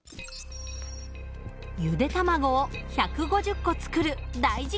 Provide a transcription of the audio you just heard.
ゆで卵を１５０個作る大実験です。